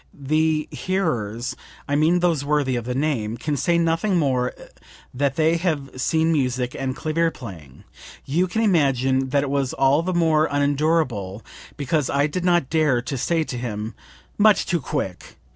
The hearers (I mean those worthy of the name) can say nothing more than they have seen music and clavier playing. You can imagine that it was all the more unendurable because I did not dare to say to him: 'Much too quick!'